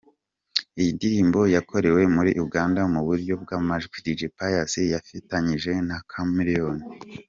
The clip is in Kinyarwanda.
Iyi ndirimbo yakorewe muri Uganda mu buryo bw’amajwi, Dj Pius yayifatanyije na Chameleone.